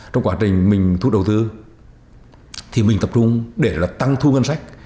trong quá trình mình thu đầu tư thì mình tập trung để là tăng thu ngân sách